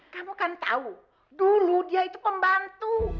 kamu kan tahu dulu dia itu pembantu